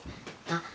あっ。